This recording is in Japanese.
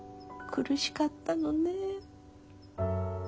苦しかったのね。